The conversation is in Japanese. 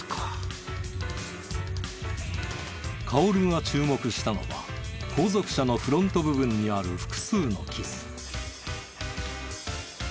薫が注目したのは後続車のフロント部分にある複数の傷。